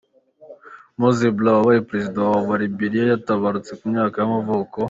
Moses Blah wabaye perezida wa wa Liberia yaratabarutse, ku myaka y’amavuko.